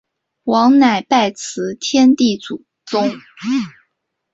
王乃拜辞天地祖宗。